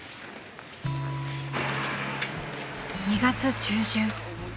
［２月中旬］